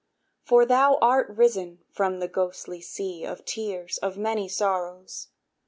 For thou art risen from the ghostly sea Of tears of many sorrows.